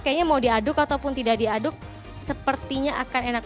kayaknya mau diaduk ataupun tidak diaduk sepertinya akan enak